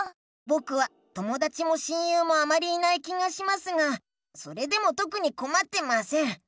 ぼくはともだちも親友もあまりいない気がしますがそれでもとくにこまってません。